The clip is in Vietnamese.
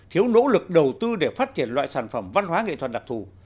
thiếu nỗ lực đầu tư để phát triển loại sản phẩm văn hóa nghệ thuật đặc thù